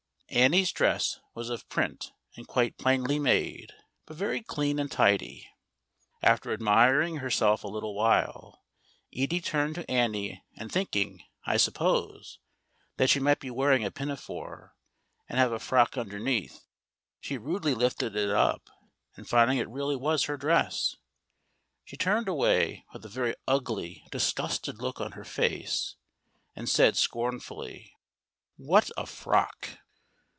Annie's dress was of print and quite plainly made, but very clean and tidy. After admiring herself a little while, Edie turned to Annie and thinking, I suppose, that she might be wearing a pinafore, and have a frock underneath, she rudely lifted it up, and finding it really was her dress, she turned away with a very ugly, disgusted look on her face, and said, scornfully "What a frock!"